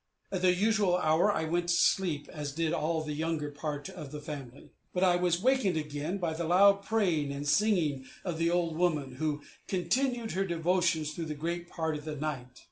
At the usual hour I went to sleep, as did all the younger part of the family; but I was wakened again by the loud praying and singing of the old woman, who continued her devotions through a great part of the night.